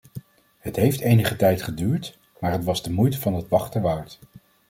Het heeft enige tijd geduurd, maar het was de moeite van het wachten waard.